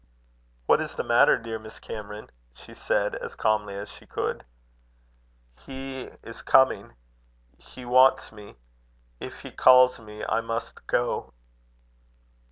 "What is the matter, dear Miss Cameron?" she said, as calmly as she could. "He is coming. He wants me. If he calls me, I must go."